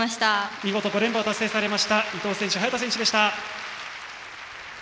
見事、５連覇を達成されました伊藤選手、早田選手でした。